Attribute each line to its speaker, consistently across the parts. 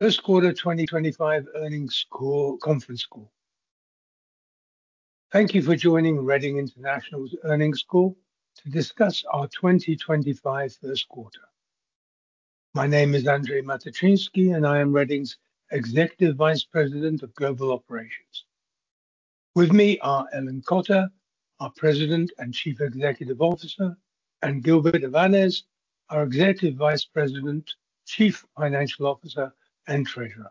Speaker 1: First quarter 2025 earnings call, conference call. Thank you for joining Reading International's Earnings Call to discuss our 2025 first quarter. My name is Andrzej Matyczynski, and I am Reading's Executive Vice President of Global Operations. With me are Ellen Cotter, our President and Chief Executive Officer, and Gilbert Avanes, our Executive Vice President, Chief Financial Officer, and Treasurer.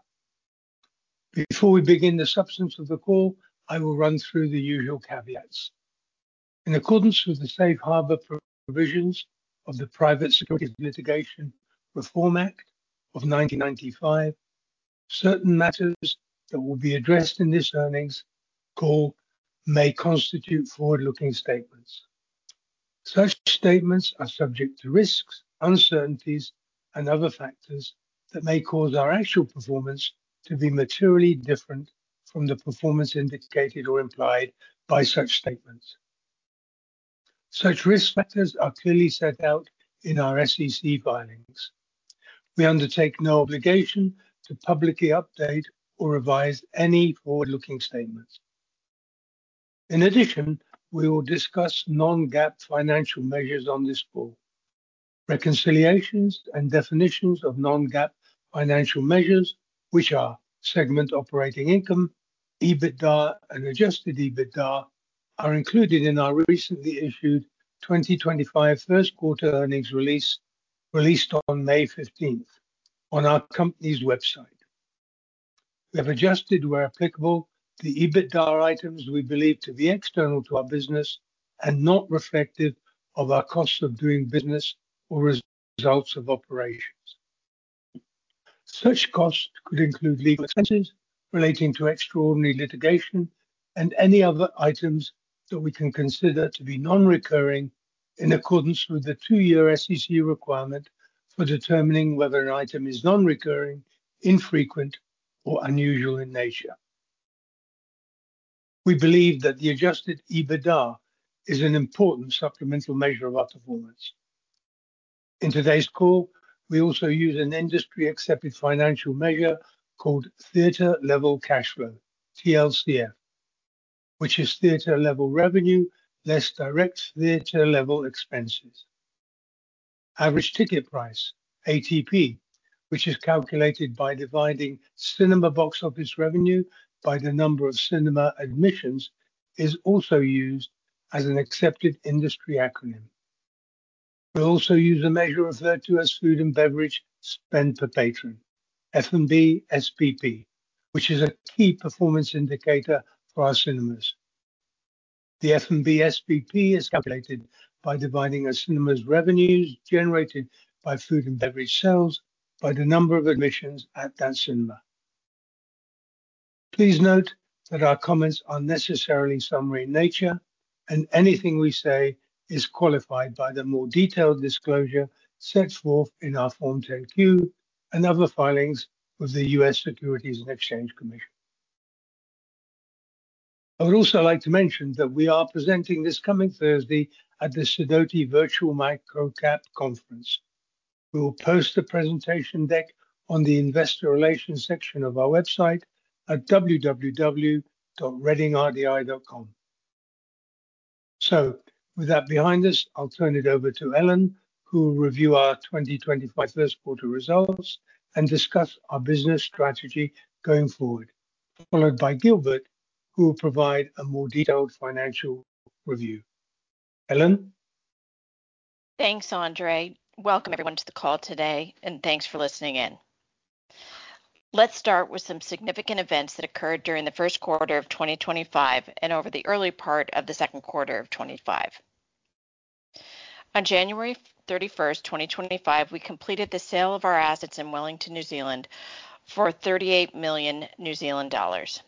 Speaker 1: Before we begin the substance of the call, I will run through the usual caveats. In accordance with the Safe Harbor provisions of the Private Securities Litigation Reform Act of 1995, certain matters that will be addressed in this earnings call may constitute forward-looking statements. Such statements are subject to risks, uncertainties, and other factors that may cause our actual performance to be materially different from the performance indicated or implied by such statements. Such risk factors are clearly set out in our SEC filings. We undertake no obligation to publicly update or revise any forward-looking statements. In addition, we will discuss non-GAAP financial measures on this call. Reconciliations and definitions of non-GAAP financial measures, which are Segment Operating Income, EBITDA, and Adjusted EBITDA, are included in our recently issued 2025 first quarter earnings release released on May 15th on our company's website. We have adjusted, where applicable, the EBITDA items we believe to be external to our business and not reflective of our costs of doing business or results of operations. Such costs could include legal expenses relating to extraordinary litigation and any other items that we consider to be non-recurring in accordance with the two-year SEC requirement for determining whether an item is non-recurring, infrequent, or unusual in nature. We believe that the Adjusted EBITDA is an important supplemental measure of our performance. In today's call, we also use an industry-accepted financial measure called Theater Level Cash Flow, TLCF, which is Theater Level Revenue less Direct Theater Level Expenses. Average Ticket Price, ATP, which is calculated by dividing cinema box office revenue by the number of cinema admissions, is also used as an accepted industry acronym. We also use a measure referred to as Food and Beverage Spend Per Patron, F&B SPP, which is a key performance indicator for our cinemas. The F&B SPP is calculated by dividing a cinema's revenues generated by food and beverage sales by the number of admissions at that cinema. Please note that our comments are necessarily summary in nature, and anything we say is qualified by the more detailed disclosure set forth in our Form 10Q and other filings with the U.S. Securities and Exchange Commission. I would also like to mention that we are presenting this coming Thursday at the Sidoti Virtual Micro Cap Conference. We will post the presentation deck on the Investor Relations section of our website at www.readingrdi.com. With that behind us, I'll turn it over to Ellen, who will review our 2025 first quarter results and discuss our business strategy going forward, followed by Gilbert, who will provide a more detailed financial review. Ellen.
Speaker 2: Thanks, Andrzej. Welcome everyone to the call today, and thanks for listening in. Let's start with some significant events that occurred during the first quarter of 2025 and over the early part of the second quarter of 2025. On January 31st, 2025, we completed the sale of our assets in Wellington, New Zealand, for 38 million New Zealand dollars.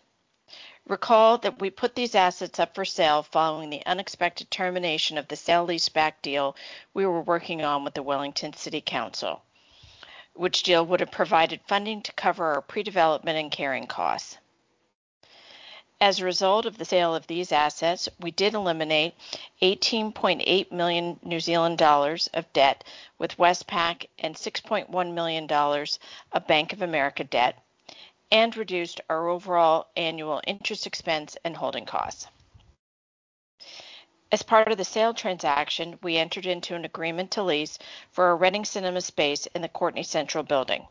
Speaker 2: Recall that we put these assets up for sale following the unexpected termination of the sale lease back deal we were working on with the Wellington City Council, which deal would have provided funding to cover our pre-development and carrying costs. As a result of the sale of these assets, we did eliminate 18.8 million New Zealand dollars of debt with Westpac and $6.1 million of Bank of America debt, and reduced our overall annual interest expense and holding costs. As part of the sale transaction, we entered into an agreement to lease for a Reading Cinema space in the Courtenay Central Building,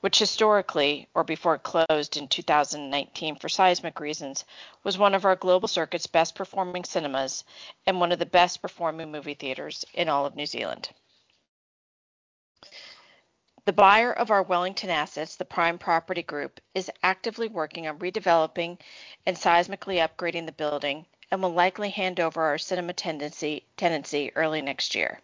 Speaker 2: which historically, or before it closed in 2019 for seismic reasons, was one of our global circuit's best-performing cinemas and one of the best-performing movie theaters in all of New Zealand. The buyer of our Wellington assets, the Prime Property Group, is actively working on redeveloping and seismically upgrading the building and will likely hand over our cinema tenancy early next year.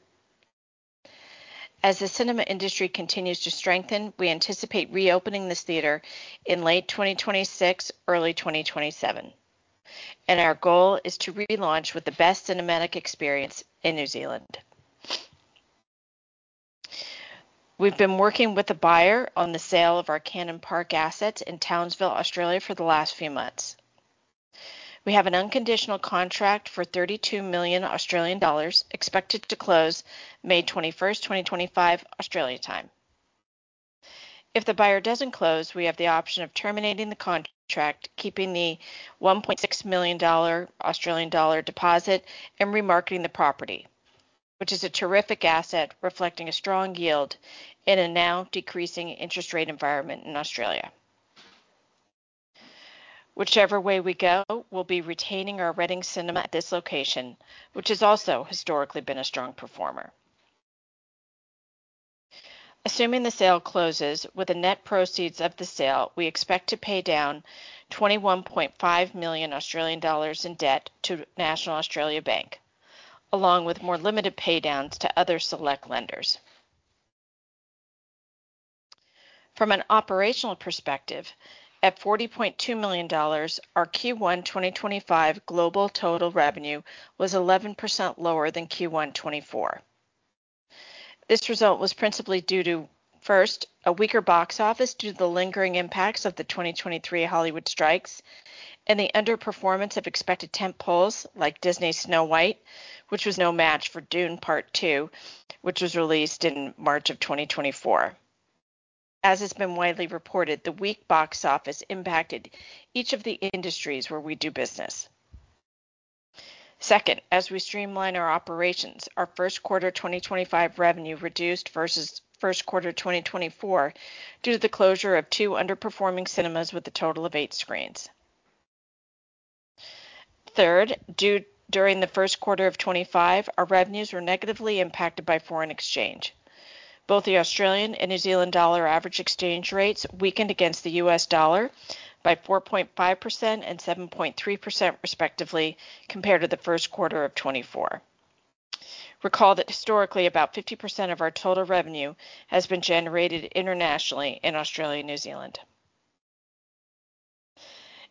Speaker 2: As the cinema industry continues to strengthen, we anticipate reopening this theater in late 2026, early 2027, and our goal is to relaunch with the best cinematic experience in New Zealand. We've been working with the buyer on the sale of our Cannon Park assets in Townsville, Australia, for the last few months. We have an unconditional contract for 32 million Australian dollars expected to close May 21st, 2025, Australian time. If the buyer does not close, we have the option of terminating the contract, keeping the 1.6 million Australian dollar deposit, and remarketing the property, which is a terrific asset reflecting a strong yield in a now decreasing interest rate environment in Australia. Whichever way we go, we will be retaining our Reading Cinema at this location, which has also historically been a strong performer. Assuming the sale closes with the net proceeds of the sale, we expect to pay down 21.5 million Australian dollars in debt to National Australia Bank, along with more limited paydowns to other select lenders. From an operational perspective, at 40.2 million dollars, our Q1 2025 global total revenue was 11% lower than Q1 2024. This result was principally due to, first, a weaker box office due to the lingering impacts of the 2023 Hollywood strikes and the underperformance of expected tentpoles like Disney's Snow White, which was no match for Dune Part Two, which was released in March of 2024. As has been widely reported, the weak box office impacted each of the industries where we do business. Second, as we streamline our operations, our first quarter 2025 revenue reduced versus first quarter 2024 due to the closure of two underperforming cinemas with a total of eight screens. Third, during the first quarter of 2025, our revenues were negatively impacted by foreign exchange. Both the Australian and New Zealand dollar average exchange rates weakened against the U.S. dollar by 4.5% and 7.3%, respectively, compared to the first quarter of 2024. Recall that historically about 50% of our total revenue has been generated internationally in Australia and New Zealand.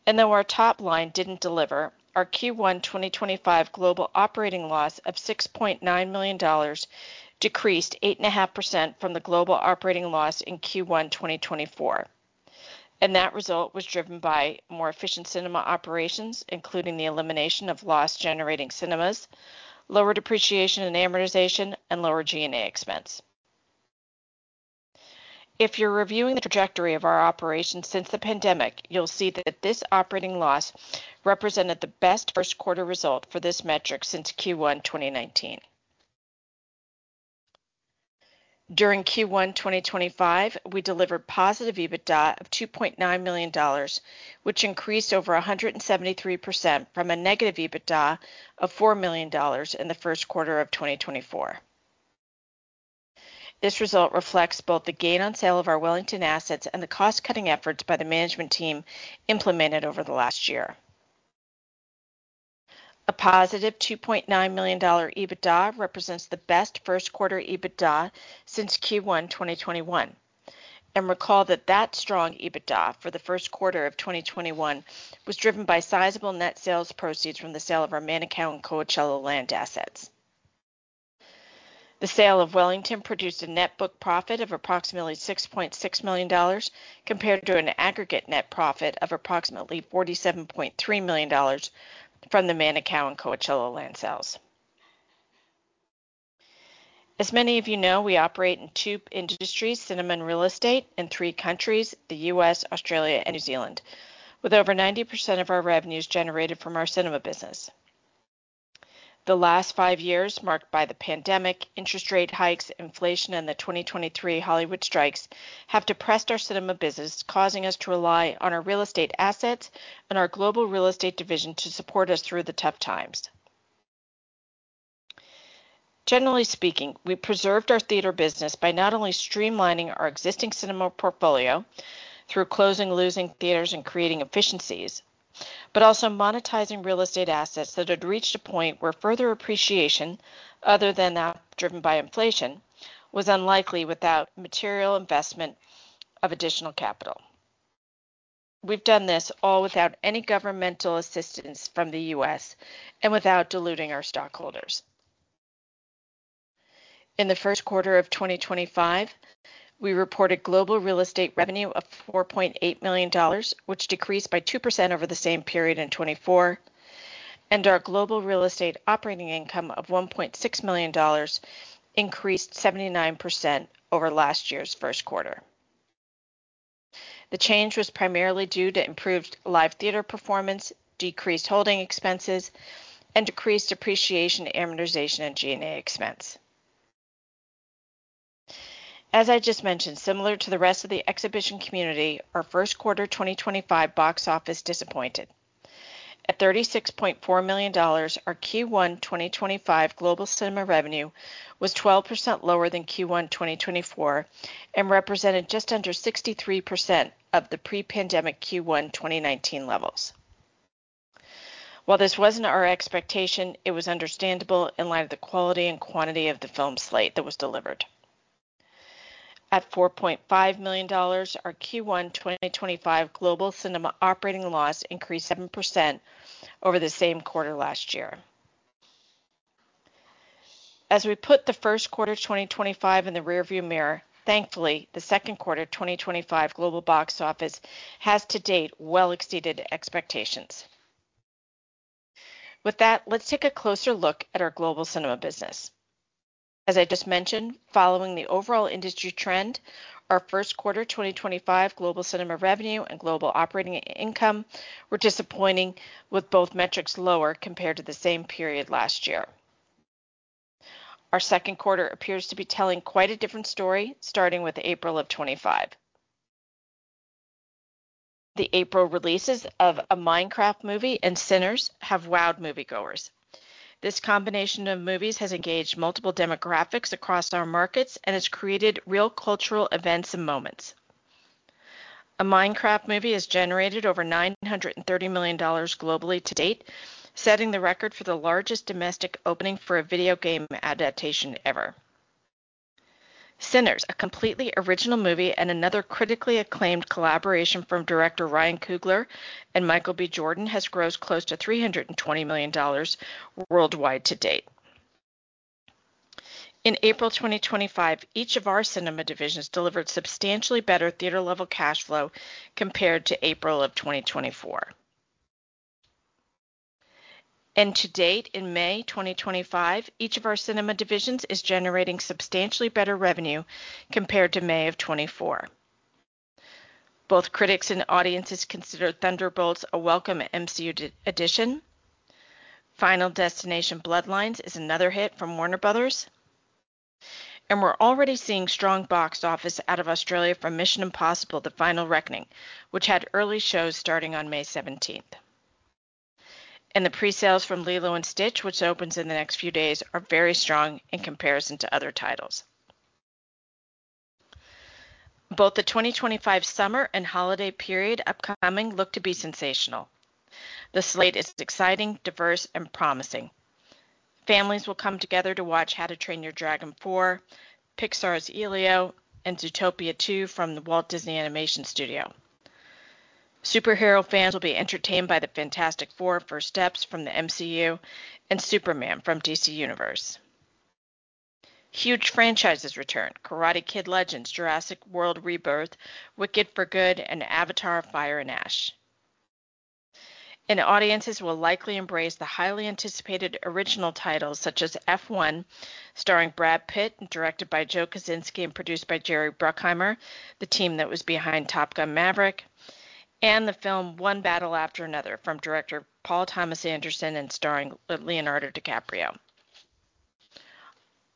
Speaker 2: Though our top line did not deliver, our Q1 2025 global operating loss of $6.9 million decreased 8.5% from the global operating loss in Q1 2024. That result was driven by more efficient cinema operations, including the elimination of loss-generating cinemas, lower depreciation and amortization, and lower G&A expense. If you are reviewing the trajectory of our operations since the pandemic, you will see that this operating loss represented the best first quarter result for this metric since Q1 2019. During Q1 2025, we delivered positive EBITDA of $2.9 million, which increased over 173% from a negative EBITDA of $4 million in the first quarter of 2024. This result reflects both the gain on sale of our Wellington assets and the cost-cutting efforts by the management team implemented over the last year. A positive $2.9 million EBITDA represents the best first quarter EBITDA since Q1 2021. Recall that that strong EBITDA for the first quarter of 2021 was driven by sizable net sales proceeds from the sale of our Manukau and Coachella land assets. The sale of Wellington produced a net book profit of approximately $6.6 million compared to an aggregate net profit of approximately $47.3 million from the Manukau and Coachella land sales. As many of you know, we operate in two industries, cinema and real estate, in three countries, the U.S., Australia, and New Zealand, with over 90% of our revenues generated from our cinema business. The last five years, marked by the pandemic, interest rate hikes, inflation, and the 2023 Hollywood strikes, have depressed our cinema business, causing us to rely on our real estate assets and our global real estate division to support us through the tough times. Generally speaking, we preserved our theater business by not only streamlining our existing cinema portfolio through closing losing theaters and creating efficiencies, but also monetizing real estate assets that had reached a point where further appreciation, other than that driven by inflation, was unlikely without material investment of additional capital. We've done this all without any governmental assistance from the U.S. and without diluting our stockholders. In the first quarter of 2025, we reported global real estate revenue of $4.8 million, which decreased by 2% over the same period in 2024, and our global real estate operating income of $1.6 million increased 79% over last year's first quarter. The change was primarily due to improved live theater performance, decreased holding expenses, and decreased depreciation, amortization, and G&A expense. As I just mentioned, similar to the rest of the exhibition community, our first quarter 2025 box office disappointed. At $36.4 million, our Q1 2025 global cinema revenue was 12% lower than Q1 2024 and represented just under 63% of the pre-pandemic Q1 2019 levels. While this was not our expectation, it was understandable in light of the quality and quantity of the film slate that was delivered. At $4.5 million, our Q1 2025 global cinema operating loss increased 7% over the same quarter last year. As we put the first quarter 2025 in the rearview mirror, thankfully, the second quarter 2025 global box office has to date well exceeded expectations. With that, let's take a closer look at our global cinema business. As I just mentioned, following the overall industry trend, our first quarter 2025 global cinema revenue and global operating income were disappointing, with both metrics lower compared to the same period last year. Our second quarter appears to be telling quite a different story, starting with April of 2025. The April releases of A Minecraft Movie and Sinners have wowed moviegoers. This combination of movies has engaged multiple demographics across our markets and has created real cultural events and moments. A Minecraft Movie has generated over $930 million globally to date, setting the record for the largest domestic opening for a video game adaptation ever. Sinners, a completely original movie and another critically acclaimed collaboration from director Ryan Coogler and Michael B. Jordan, has grossed close to $320 million worldwide to date. In April 2025, each of our cinema divisions delivered substantially better theater-level cash flow compared to April of 2024. To date, in May 2025, each of our cinema divisions is generating substantially better revenue compared to May of 2024. Both critics and audiences consider Thunderbolts a welcome MCU addition. Final Destination Bloodlines is another hit from Warner Brothers. We are already seeing strong box office out of Australia for Mission: Impossible - The Final Reckoning, which had early shows starting on May 17th. The pre-sales from Lilo & Stitch, which opens in the next few days, are very strong in comparison to other titles. Both the 2025 summer and holiday period upcoming look to be sensational. The slate is exciting, diverse, and promising. Families will come together to watch How to Train Your Dragon 4, Pixar's Elio, and Zootopia 2 from the Walt Disney Animation Studio. Superhero fans will be entertained by The Fantastic Four: First Steps from the MCU and Superman from DC Universe. Huge franchises return: Karate Kid Legends, Jurassic World: Rebirth, Wicked for Good, and Avatar: Fire and Ash. Audiences will likely embrace the highly anticipated original titles such as F1, starring Brad Pitt, directed by Joe Kosinski and produced by Jerry Bruckheimer, the team that was behind Top Gun: Maverick, and the film One Battle After Another from director Paul Thomas Anderson and starring Leonardo DiCaprio.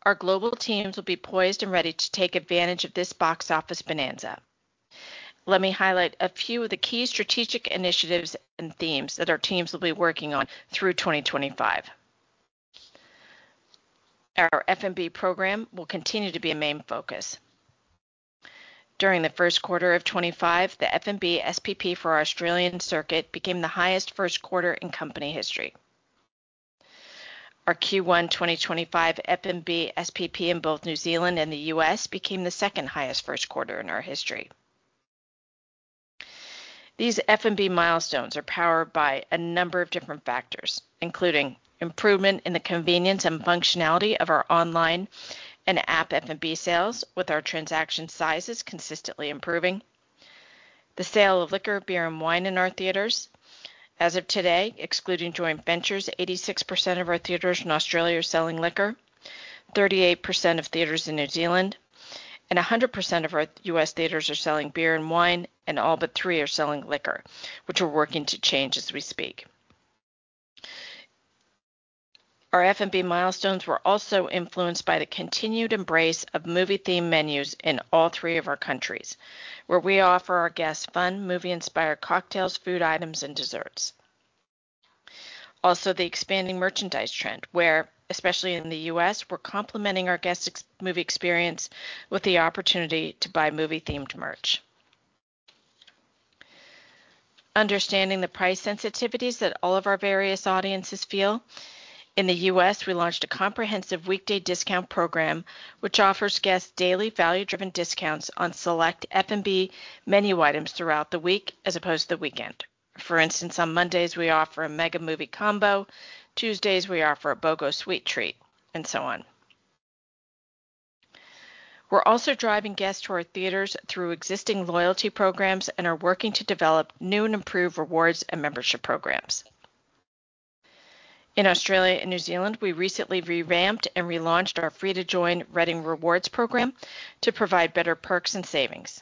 Speaker 2: Our global teams will be poised and ready to take advantage of this box office bonanza. Let me highlight a few of the key strategic initiatives and themes that our teams will be working on through 2025. Our F&B program will continue to be a main focus. During the first quarter of 2025, the F&B SPP for our Australian circuit became the highest first quarter in company history. Our Q1 2025 F&B SPP in both New Zealand and the U.S. became the second highest first quarter in our history. These F&B milestones are powered by a number of different factors, including improvement in the convenience and functionality of our online and app F&B sales, with our transaction sizes consistently improving, the sale of liquor, beer, and wine in our theaters. As of today, excluding joint ventures, 86% of our theaters in Australia are selling liquor, 38% of theaters in New Zealand, and 100% of our U.S. theaters are selling beer and wine, and all but three are selling liquor, which we're working to change as we speak. Our F&B milestones were also influenced by the continued embrace of movie-themed menus in all three of our countries, where we offer our guests fun, movie-inspired cocktails, food items, and desserts. Also, the expanding merchandise trend, where, especially in the U.S., we're complementing our guests' movie experience with the opportunity to buy movie-themed merch. Understanding the price sensitivities that all of our various audiences feel, in the U.S., we launched a comprehensive weekday discount program, which offers guests daily value-driven discounts on select F&B menu items throughout the week as opposed to the weekend. For instance, on Mondays, we offer a mega movie combo. Tuesdays, we offer a BoGo sweet treat, and so on. We're also driving guests to our theaters through existing loyalty programs and are working to develop new and improved rewards and membership programs. In Australia and New Zealand, we recently revamped and relaunched our Free to Join Reading Rewards program to provide better perks and savings.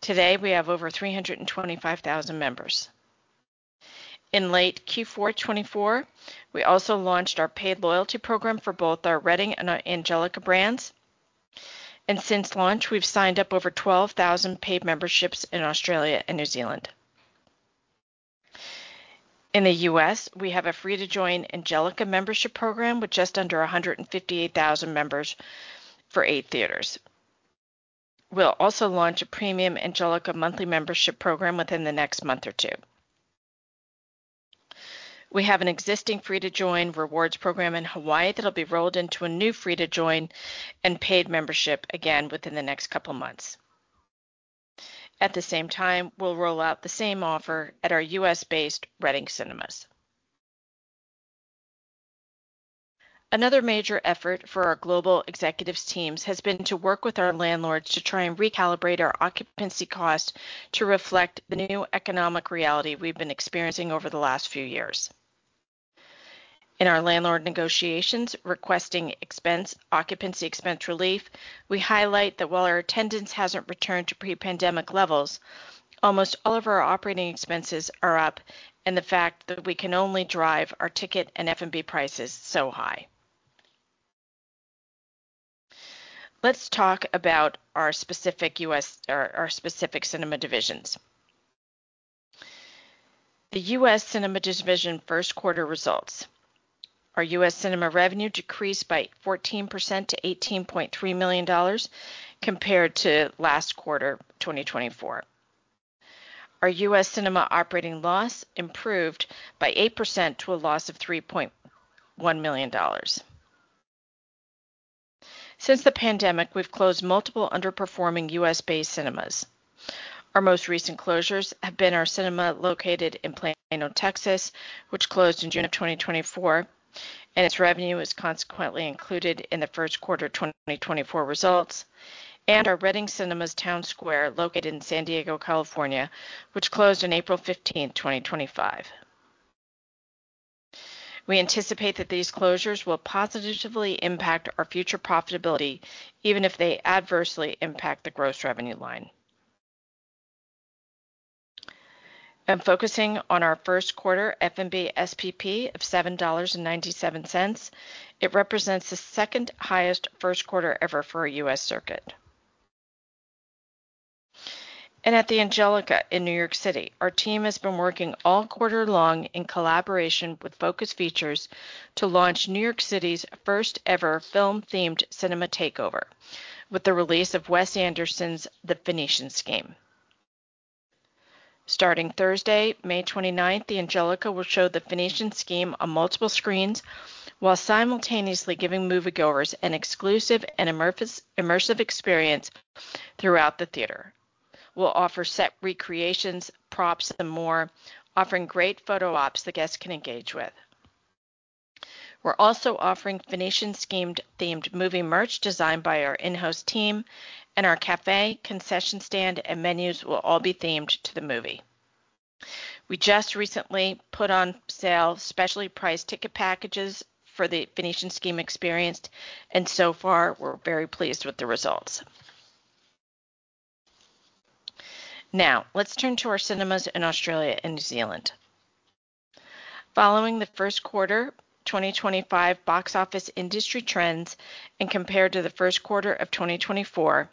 Speaker 2: Today, we have over 325,000 members. In late Q4 2024, we also launched our paid loyalty program for both our Reading and Angelica brands. Since launch, we've signed up over 12,000 paid memberships in Australia and New Zealand. In the U.S., we have a Free to Join Angelica membership program with just under 158,000 members for eight theaters. We'll also launch a premium Angelica monthly membership program within the next month or two. We have an existing Free to Join Rewards program in Hawaii that'll be rolled into a new Free to Join and paid membership again within the next couple of months. At the same time, we'll roll out the same offer at our U.S.-based Reading Cinemas. Another major effort for our global executives' teams has been to work with our landlords to try and recalibrate our occupancy costs to reflect the new economic reality we've been experiencing over the last few years. In our landlord negotiations, requesting occupancy expense relief, we highlight that while our attendance hasn't returned to pre-pandemic levels, almost all of our operating expenses are up and the fact that we can only drive our ticket and F&B prices so high. Let's talk about our specific U.S. or our specific cinema divisions. The U.S. cinema division first quarter results. Our U.S. cinema revenue decreased by 14% to $18.3 million compared to last quarter 2024. Our U.S. cinema operating loss improved by 8% to a loss of $3.1 million. Since the pandemic, we've closed multiple underperforming U.S.-based cinemas. Our most recent closures have been our cinema located in Plano, Texas, which closed in June of 2024, and its revenue was consequently included in the first quarter 2024 results, and our Reading Cinemas Town Square located in San Diego, California, which closed on April 15th, 2025. We anticipate that these closures will positively impact our future profitability, even if they adversely impact the gross revenue line. Focusing on our first quarter F&B SPP of $7.97, it represents the second highest first quarter ever for a U.S. circuit. At the Angelica in New York City, our team has been working all quarter long in collaboration with Focus Features to launch New York City's first-ever film-themed cinema takeover with the release of Wes Anderson's The Phoenician Scheme. Starting Thursday, May 29th, the Angelica will show The Phoenician Scheme on multiple screens while simultaneously giving moviegoers an exclusive and immersive experience throughout the theater. We'll offer set recreations, props, and more, offering great photo ops the guests can engage with. We're also offering Phoenician Scheme-themed movie merch designed by our in-house team, and our café, concession stand, and menus will all be themed to the movie. We just recently put on sale specially priced ticket packages for the Phoenician Scheme experience, and so far, we're very pleased with the results. Now, let's turn to our cinemas in Australia and New Zealand. Following the first quarter 2025 box office industry trends and compared to the first quarter of 2024,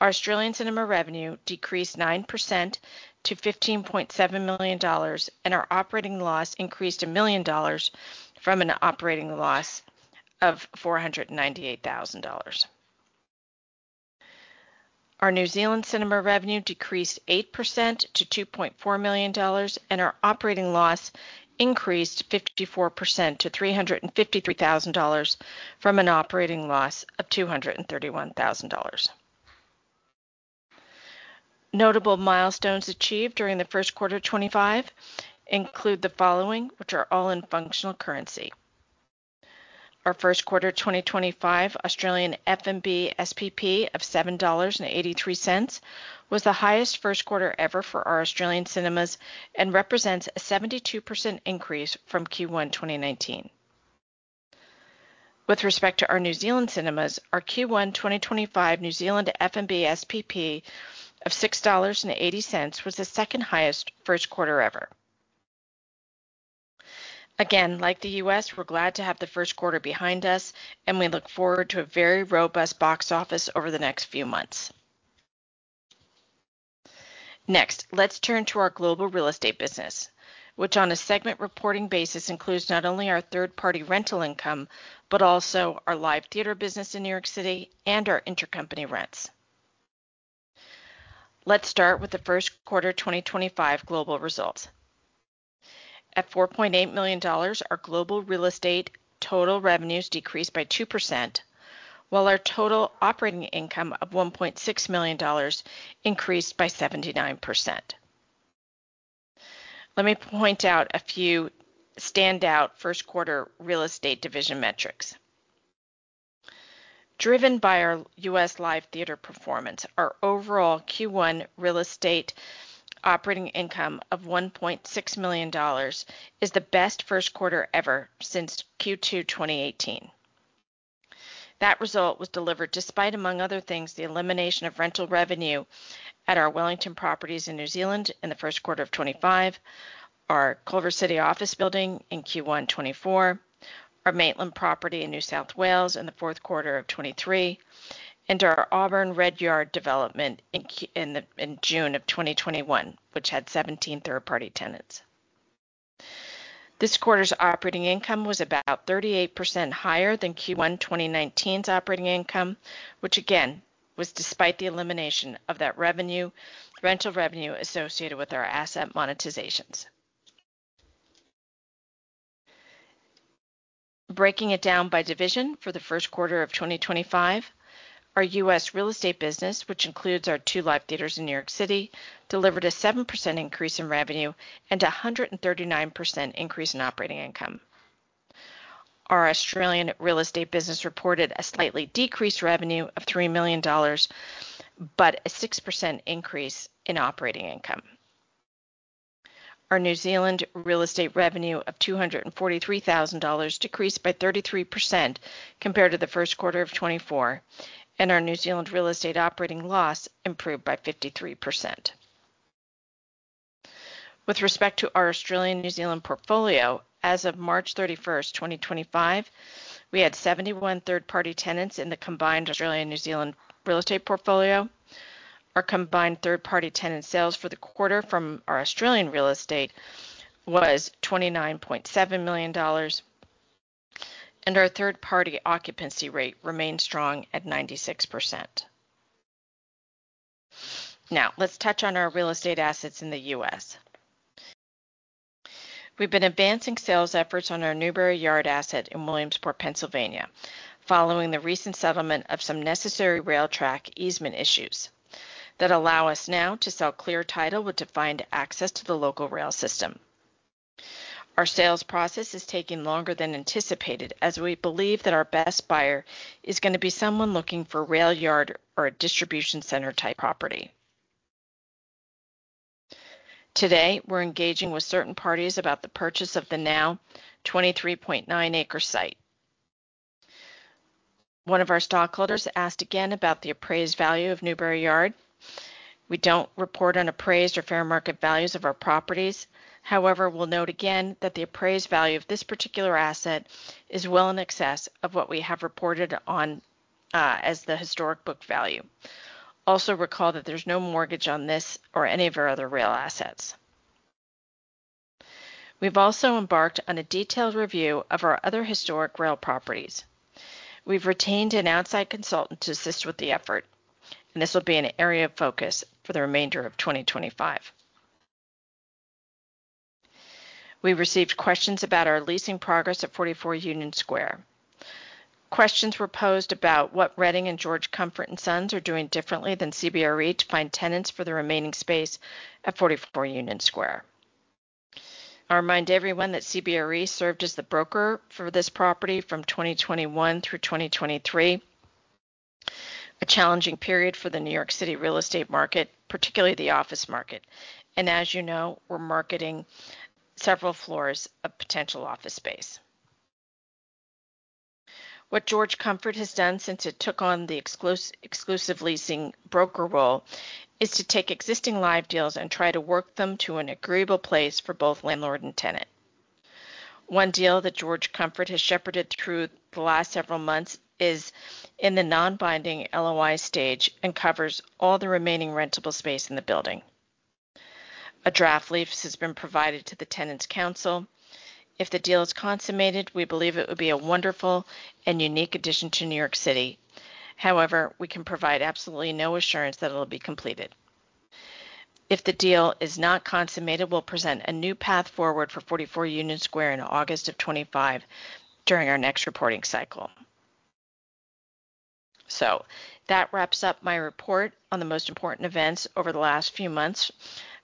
Speaker 2: our Australian cinema revenue decreased 9% to 15.7 million dollars, and our operating loss increased 1 million dollars from an operating loss of 498,000 dollars. Our New Zealand cinema revenue decreased 8% to 2.4 million dollars, and our operating loss increased 54% to 353,000 dollars from an operating loss of 231,000 dollars. Notable milestones achieved during the first quarter 2025 include the following, which are all in functional currency. Our first quarter 2025 Australian F&B SPP of 7.83 dollars was the highest first quarter ever for our Australian cinemas and represents a 72% increase from Q1 2019. With respect to our New Zealand cinemas, our Q1 2025 New Zealand F&B SPP of 6.80 dollars was the second highest first quarter ever. Again, like the U.S., we're glad to have the first quarter behind us, and we look forward to a very robust box office over the next few months. Next, let's turn to our global real estate business, which on a segment reporting basis includes not only our third-party rental income, but also our live theater business in New York City and our intercompany rents. Let's start with the first quarter 2025 global results. At $4.8 million, our global real estate total revenues decreased by 2%, while our total operating income of $1.6 million increased by 79%. Let me point out a few standout first quarter real estate division metrics. Driven by our U.S. live theater performance, our overall Q1 real estate operating income of $1.6 million is the best first quarter ever since Q2 2018. That result was delivered despite, among other things, the elimination of rental revenue at our Wellington properties in New Zealand in the first quarter of 2025, our Culver City office building in Q1 2024, our Maitland property in New South Wales in the fourth quarter of 2023, and our Auburn Red Yard development in June of 2021, which had 17 third-party tenants. This quarter's operating income was about 38% higher than Q1 2019's operating income, which again was despite the elimination of that rental revenue associated with our asset monetizations. Breaking it down by division for the first quarter of 2025, our U.S. real estate business, which includes our two live theaters in New York City, delivered a 7% increase in revenue and a 139% increase in operating income. Our Australian real estate business reported a slightly decreased revenue of 3 million dollars, but a 6% increase in operating income. Our New Zealand real estate revenue of 243,000 dollars decreased by 33% compared to the first quarter of 2024, and our New Zealand real estate operating loss improved by 53%. With respect to our Australian-New Zealand portfolio, as of March 31, 2025, we had 71 third-party tenants in the combined Australian-New Zealand real estate portfolio. Our combined third-party tenant sales for the quarter from our Australian real estate was 29.7 million dollars, and our third-party occupancy rate remained strong at 96%. Now, let's touch on our real estate assets in the U.S. We've been advancing sales efforts on our Newberry Yard asset in Williamsport, Pennsylvania, following the recent settlement of some necessary rail track easement issues that allow us now to sell clear title with defined access to the local rail system. Our sales process is taking longer than anticipated, as we believe that our best buyer is going to be someone looking for rail yard or a distribution center type property. Today, we're engaging with certain parties about the purchase of the now 23.9-acre site. One of our stockholders asked again about the appraised value of Newberry Yard. We don't report on appraised or fair market values of our properties. However, we'll note again that the appraised value of this particular asset is well in excess of what we have reported on as the historic book value. Also recall that there's no mortgage on this or any of our other rail assets. We've also embarked on a detailed review of our other historic rail properties. We've retained an outside consultant to assist with the effort, and this will be an area of focus for the remainder of 2025. We received questions about our leasing progress at 44 Union Square. Questions were posed about what Reading and George Comfort & Sons are doing differently than CBRE to find tenants for the remaining space at 44 Union Square. I remind everyone that CBRE served as the broker for this property from 2021 through 2023, a challenging period for the New York City real estate market, particularly the office market. As you know, we're marketing several floors of potential office space. What George Comfort has done since it took on the exclusive leasing broker role is to take existing live deals and try to work them to an agreeable place for both landlord and tenant. One deal that George Comfort has shepherded through the last several months is in the non-binding LOI stage and covers all the remaining rentable space in the building. A draft lease has been provided to the tenants' council. If the deal is consummated, we believe it would be a wonderful and unique addition to New York City. However, we can provide absolutely no assurance that it'll be completed. If the deal is not consummated, we'll present a new path forward for 44 Union Square in August of 2025 during our next reporting cycle. That wraps up my report on the most important events over the last few months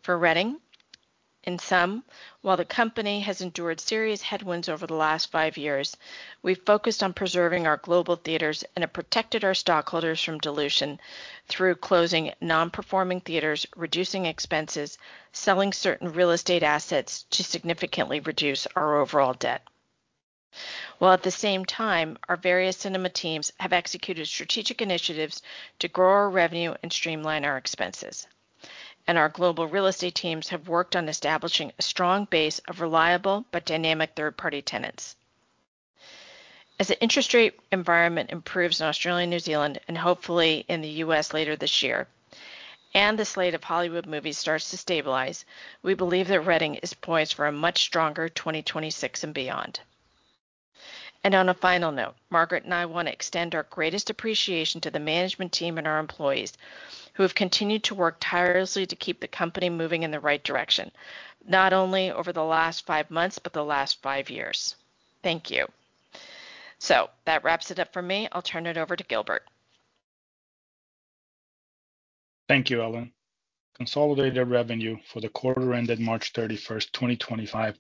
Speaker 2: for Reading. In sum, while the company has endured serious headwinds over the last five years, we've focused on preserving our global theaters and have protected our stockholders from dilution through closing non-performing theaters, reducing expenses, selling certain real estate assets to significantly reduce our overall debt. At the same time, our various cinema teams have executed strategic initiatives to grow our revenue and streamline our expenses. Our global real estate teams have worked on establishing a strong base of reliable but dynamic third-party tenants. As the interest rate environment improves in Australia, New Zealand, and hopefully in the U.S. later this year, and the slate of Hollywood movies starts to stabilize, we believe that Reading is poised for a much stronger 2026 and beyond. On a final note, Margaret and I want to extend our greatest appreciation to the management team and our employees who have continued to work tirelessly to keep the company moving in the right direction, not only over the last five months, but the last five years. Thank you. That wraps it up for me. I'll turn it over to Gilbert.
Speaker 3: Thank you, Ellen. Consolidated revenue for the quarter ended March 31, 2025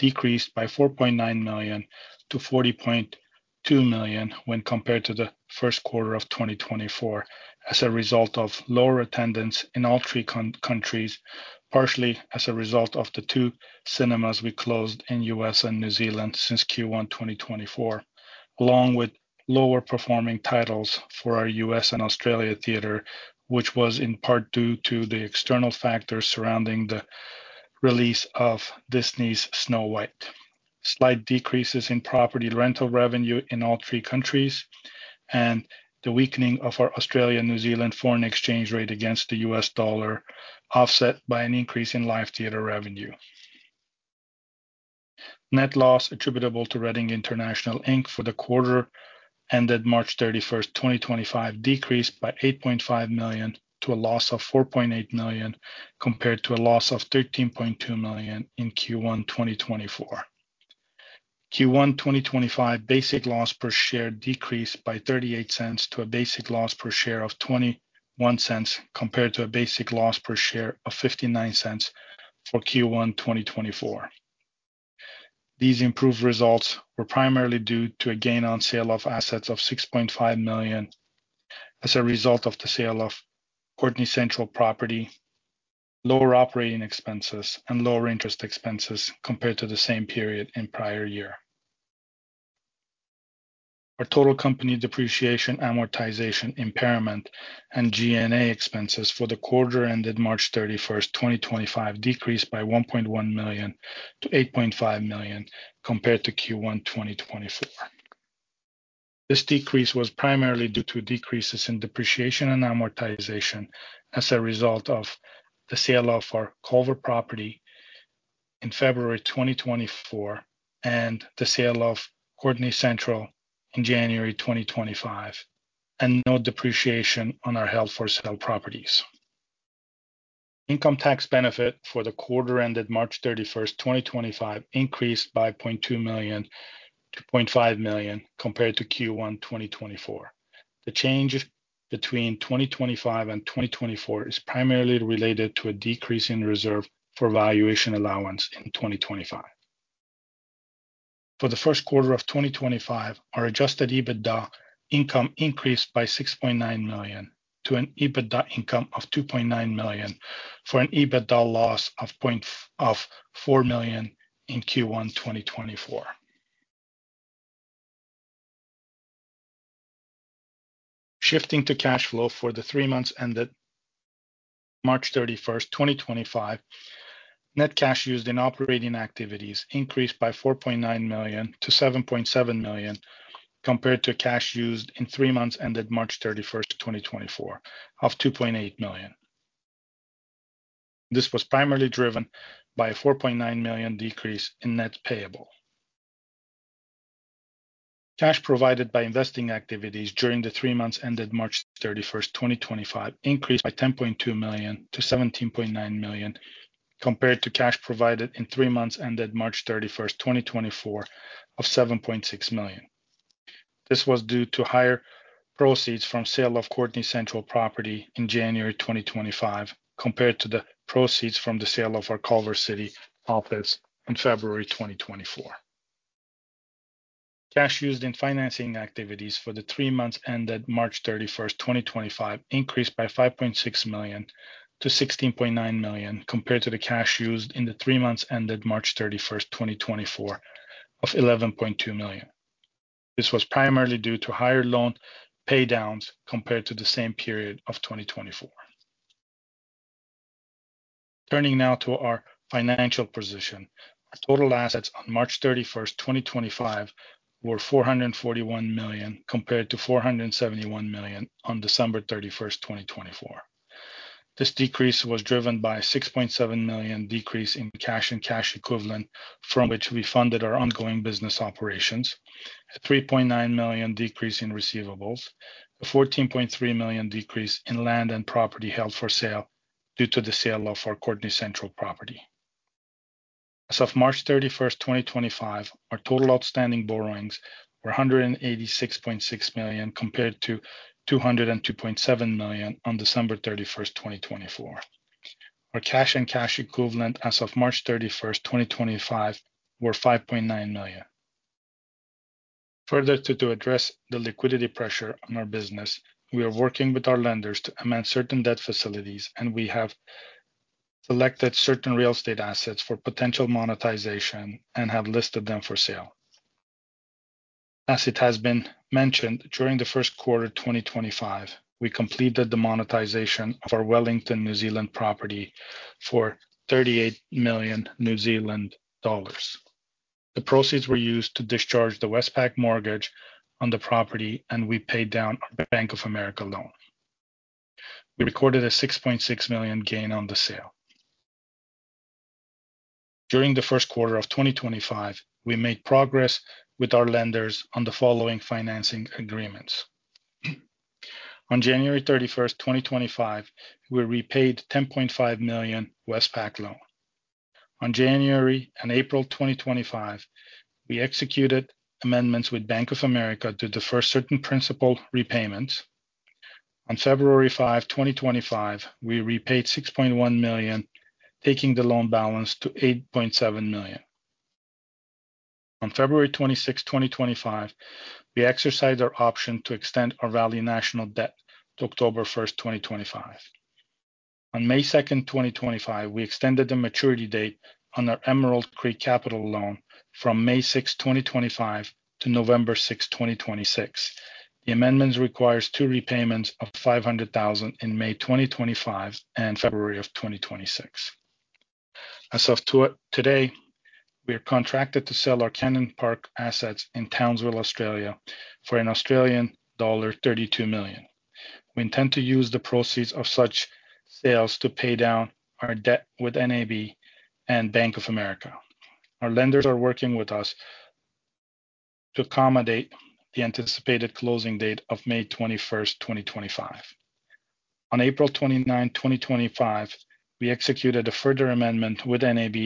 Speaker 3: decreased by $4.9 million to $40.2 million when compared to the first quarter of 2024 as a result of lower attendance in all three countries, partially as a result of the two cinemas we closed in the U.S. and New Zealand since Q1 2024, along with lower performing titles for our U.S. and Australia theater, which was in part due to the external factors surrounding the release of Disney's Snow White. Slight decreases in property rental revenue in all three countries and the weakening of our Australia-New Zealand foreign exchange rate against the U.S. dollar were offset by an increase in live theater revenue. Net loss attributable to Reading International for the quarter ended March 31st, 2025 decreased by $8.5 million to a loss of $4.8 million compared to a loss of $13.2 million in Q1 2024. Q1 2025 basic loss per share decreased by $0.38 to a basic loss per share of $0.21 compared to a basic loss per share of $0.59 for Q1 2024. These improved results were primarily due to a gain on sale of assets of $6.5 million as a result of the sale of Courtenay Central property, lower operating expenses, and lower interest expenses compared to the same period in prior year. Our total company depreciation, amortization, impairment, and G&A expenses for the quarter ended March 31, 2025 decreased by $1.1 million to $8.5 million compared to Q1 2024. This decrease was primarily due to decreases in depreciation and amortization as a result of the sale of our Culver City property in February 2024 and the sale of Courtenay Central in January 2025, and no depreciation on our Held For Sale properties. Income tax benefit for the quarter ended March 31, 2025 increased by $0.2 million to $0.5 million compared to Q1 2024. The change between 2025 and 2024 is primarily related to a decrease in reserve for valuation allowance in 2025. For the first quarter of 2025, our Adjusted EBITDA income increased by $6.9 million to an EBITDA income of $2.9 million from an EBITDA loss of $4 million in Q1 2024. Shifting to cash flow for the three months ended March 31, 2025, net cash used in operating activities increased by $4.9 million to $7.7 million compared to cash used in the three months ended March 31, 2024 of $2.8 million. This was primarily driven by a $4.9 million decrease in net payable. Cash provided by investing activities during the three months ended March 31, 2025 increased by $10.2 million to $17.9 million compared to cash provided in three months ended March 31, 2024 of $7.6 million. This was due to higher proceeds from sale of Courtenay Central property in January 2025 compared to the proceeds from the sale of our Culver City office in February 2024. Cash used in financing activities for the three months ended March 31, 2025 increased by $5.6 million to $16.9 million compared to the cash used in the three months ended March 31, 2024 of $11.2 million. This was primarily due to higher loan paydowns compared to the same period of 2024. Turning now to our financial position, our total assets on March 31, 2025 were $441 million compared to $471 million on December 31, 2024. This decrease was driven by a $6.7 million decrease in cash and cash equivalent from which we funded our ongoing business operations, a $3.9 million decrease in receivables, a $14.3 million decrease in land and property held for sale due to the sale of our Courtenay Central property. As of March 31, 2025, our total outstanding borrowings were $186.6 million compared to $202.7 million on December 31, 2024. Our cash and cash equivalent as of March 31, 2025 were $5.9 million. Further, to address the liquidity pressure on our business, we are working with our lenders to amend certain debt facilities, and we have selected certain real estate assets for potential monetization and have listed them for sale. As it has been mentioned, during the first quarter of 2025, we completed the monetization of our Wellington, New Zealand property for 38 million New Zealand dollars. The proceeds were used to discharge the Westpac mortgage on the property, and we paid down our Bank of America loan. We recorded a $6.6 million gain on the sale. During the first quarter of 2025, we made progress with our lenders on the following financing agreements. On January 31, 2025, we repaid the 10.5 million Westpac loan. On January and April 2025, we executed amendments with Bank of America to defer certain principal repayments. On February 5, 2025, we repaid $6.1 million, taking the loan balance to $8.7 million. On February 26, 2025, we exercised our option to extend our National Australia Bank debt to October 1, 2025. On May 2, 2025, we extended the maturity date on our Emerald Creek Capital loan from May 6, 2025, to November 6, 2026. The amendments require two repayments of $500,000 in May 2025 and February 2026. As of today, we are contracted to sell our Cannon Park assets in Townsville, Australia, for Australian dollar 32 million. We intend to use the proceeds of such sales to pay down our debt with NAB and Bank of America. Our lenders are working with us to accommodate the anticipated closing date of May 21st, 2025. On April 29, 2025, we executed a further amendment with NAB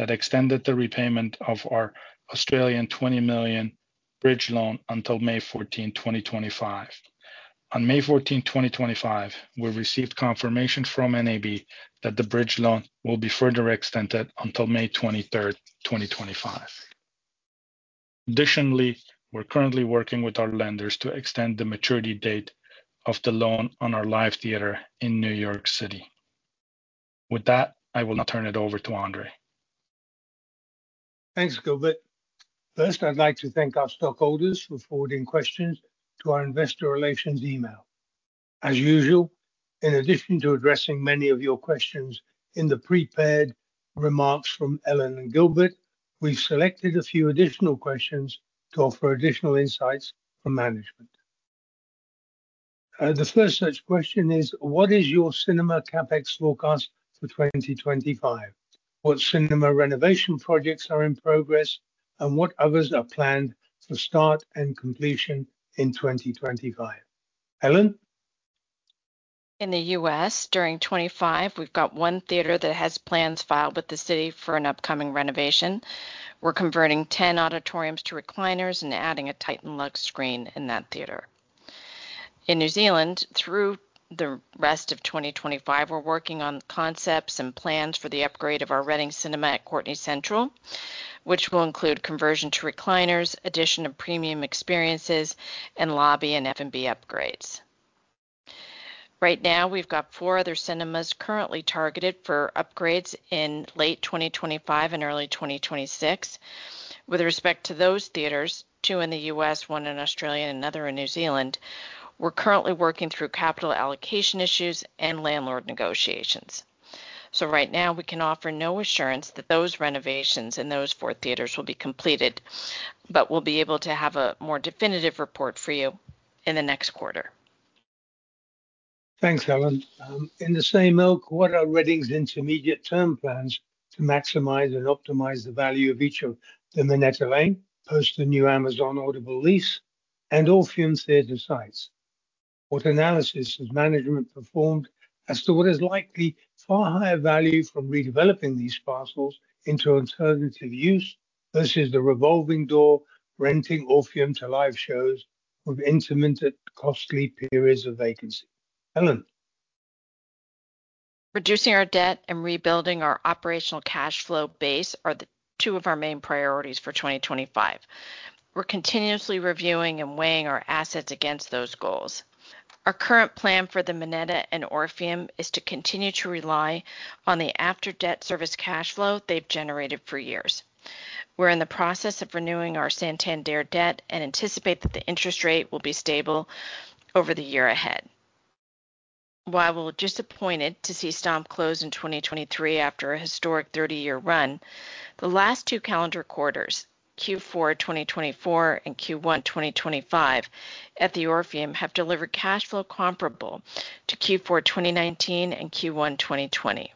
Speaker 3: that extended the repayment of our 20 million bridge loan until May 14th, 2025. On May 14th, 2025, we received confirmation from NAB that the bridge loan will be further extended until May 23rd, 2025. Additionally, we're currently working with our lenders to extend the maturity date of the loan on our live theater in New York City. With that, I will now turn it over to Andre.
Speaker 1: Thanks, Gilbert. First, I'd like to thank our stockholders for forwarding questions to our investor relations email. As usual, in addition to addressing many of your questions in the prepared remarks from Ellen and Gilbert, we've selected a few additional questions to offer additional insights from management. The first such question is, what is your cinema CapEx forecast for 2025? What cinema renovation projects are in progress, and what others are planned to start and completion in 2025? Ellen?
Speaker 2: In the U.S., during 2025, we've got one theater that has plans filed with the city for an upcoming renovation. We're converting 10 auditoriums to recliners and adding a Titan Luxe screen in that theater. In New Zealand, through the rest of 2025, we're working on concepts and plans for the upgrade of our Reading Cinema at Courtenay Central, which will include conversion to recliners, addition of premium experiences, and lobby and F&B upgrades. Right now, we've got four other cinemas currently targeted for upgrades in late 2025 and early 2026. With respect to those theaters, two in the U.S., one in Australia, and another in New Zealand, we're currently working through capital allocation issues and landlord negotiations. Right now, we can offer no assurance that those renovations and those four theaters will be completed, but we'll be able to have a more definitive report for you in the next quarter.
Speaker 1: Thanks, Ellen. In the same oak, what are Reading's intermediate term plans to maximize and optimize the value of each of the Minetta Lane, post the new Amazon Audible lease, and Orpheum Theater sites? What analysis has management performed as to what is likely far higher value from redeveloping these parcels into alternative use versus the revolving door renting Orpheum to live shows with intermittent costly periods of vacancy? Ellen?
Speaker 2: Reducing our debt and rebuilding our operational cash flow base are two of our main priorities for 2025. We're continuously reviewing and weighing our assets against those goals. Our current plan for the Minetta and Orpheum is to continue to rely on the after-debt service cash flow they've generated for years. We're in the process of renewing our Santander debt and anticipate that the interest rate will be stable over the year ahead. While we're disappointed to see Stomp close in 2023 after a historic 30-year run, the last two calendar quarters, Q4 2024 and Q1 2025, at the Orpheum have delivered cash flow comparable to Q4 2019 and Q1 2020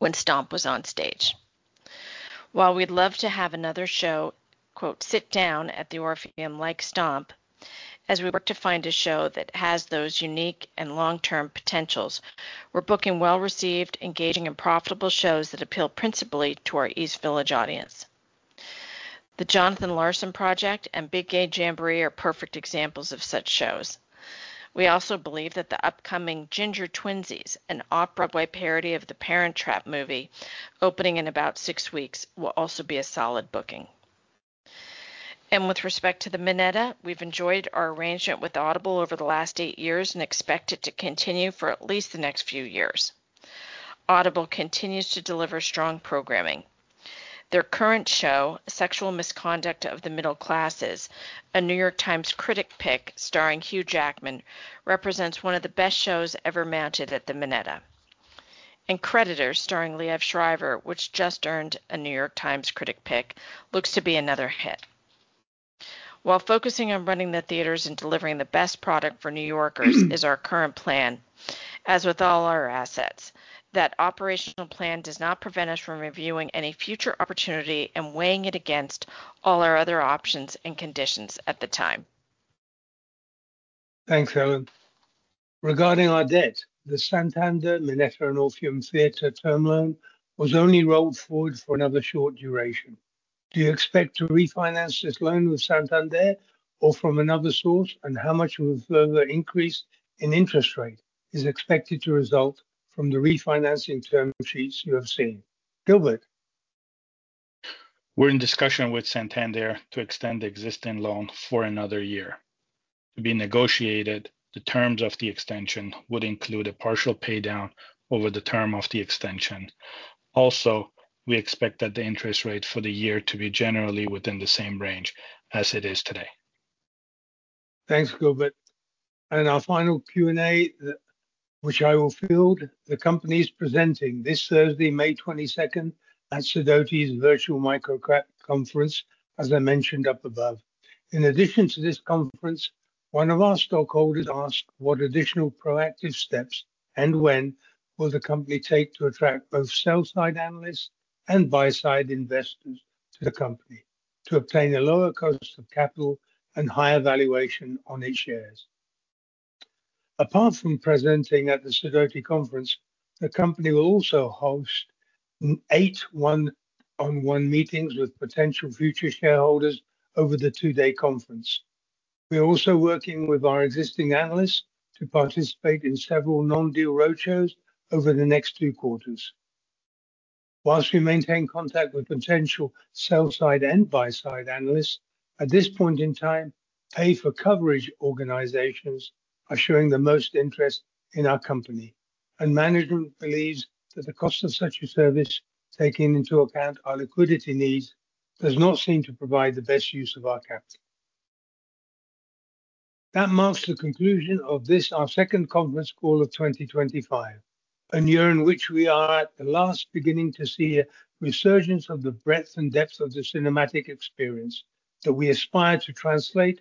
Speaker 2: when Stomp was on stage. While we'd love to have another show, "Sit Down at the Orpheum like Stomp," as we work to find a show that has those unique and long-term potentials, we're booking well-received, engaging, and profitable shows that appeal principally to our East Village audience. The Jonathan Larson Project and Big Gay Jamboree are perfect examples of such shows. We also believe that the upcoming Ginger Twinsies, an opera by parody of the Parent Trap movie opening in about six weeks, will also be a solid booking. With respect to the Minetta, we've enjoyed our arrangement with Audible over the last eight years and expect it to continue for at least the next few years. Audible continues to deliver strong programming. Their current show, Sexual Misconduct of the Middle Classes, a New York Times Critic pick starring Hugh Jackman, represents one of the best shows ever mounted at the Minetta. Creditors, starring Liev Schreiber, which just earned a New York Times Critic pick, looks to be another hit. While focusing on running the theaters and delivering the best product for New Yorkers is our current plan, as with all our assets, that operational plan does not prevent us from reviewing any future opportunity and weighing it against all our other options and conditions at the time.
Speaker 1: Thanks, Ellen. Regarding our debt, the Santander Minetta and Orpheum Theater term loan was only rolled forward for another short duration. Do you expect to refinance this loan with Santander or from another source, and how much of a further increase in interest rate is expected to result from the refinancing term sheets you have seen? Gilbert?
Speaker 3: We're in discussion with Santander to extend the existing loan for another year. To be negotiated, the terms of the extension would include a partial paydown over the term of the extension. Also, we expect that the interest rate for the year to be generally within the same range as it is today.
Speaker 1: Thanks, Gilbert. Our final Q&A, which I will field, the company is presenting this Thursday, May 22, at Sidoti's virtual Micro-Cap Conference, as I mentioned up above. In addition to this conference, one of our stockholders asked what additional proactive steps and when will the company take to attract both sell-side analysts and buy-side investors to the company to obtain a lower cost of capital and higher valuation on its shares. Apart from presenting at the Sidoti Conference, the company will also host eight one-on-one meetings with potential future shareholders over the two-day conference. We are also working with our existing analysts to participate in several non-deal roadshows over the next two quarters. Whilst we maintain contact with potential sell-side and buy-side analysts, at this point in time, pay for coverage organizations are showing the most interest in our company, and management believes that the cost of such a service, taking into account our liquidity needs, does not seem to provide the best use of our capital. That marks the conclusion of our second conference call of 2025, a year in which we are at the last beginning to see a resurgence of the breadth and depth of the cinematic experience that we aspire to translate.